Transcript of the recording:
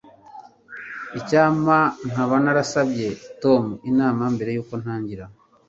S Icyampa nkaba narasabye Tom inama mbere yuko ntangira